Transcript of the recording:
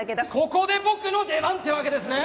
ここで僕の出番ってわけですね！